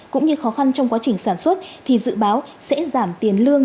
cũng như khó khăn trong quá trình sản xuất thì dự báo sẽ giảm tiền lương